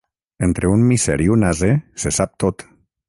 Entre un misser i un ase se sap tot.